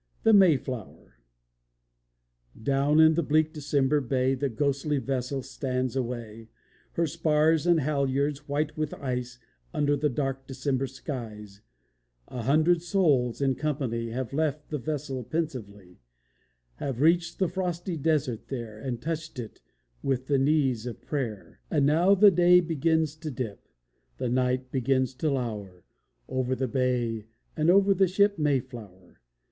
THE MAYFLOWER Down in the bleak December bay The ghostly vessel stands away; Her spars and halyards white with ice, Under the dark December skies. A hundred souls, in company, Have left the vessel pensively, Have reached the frosty desert there, And touched it with the knees of prayer. And now the day begins to dip, The night begins to lower Over the bay, and over the ship Mayflower.